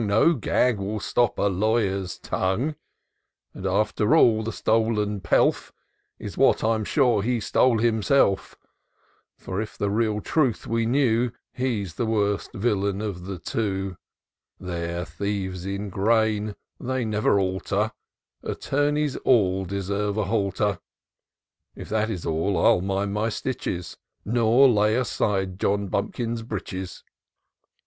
No gag will stop a lawyer's tongue ; And, after all, the stolen pelf, Is what, I'm sure, he stole himself; For, if the real truth we knew. He's the worst villain of the two ! They're thieves in grain — they never alter Attomies aU deserve a halter. IN SEARCH OF THE PICTURESQUE. 17T If that is all, 111 mind my stitches, Nor lay aside John Bumkin's breeches."